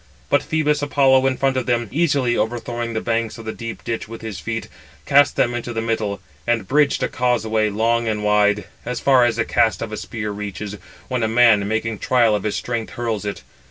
But Phœbus Apollo in front of them, easily overthrowing the banks of the deep ditch with his feet, cast [them] into the middle; and bridged a causeway long and wide, as far as the cast of a spear reaches, when a man, making trial of his strength, hurls it.